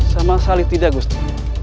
sama salih tidak gusti